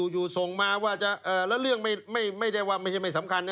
อยู่ส่งมาว่าจะแล้วเรื่องไม่ได้ว่าไม่สำคัญ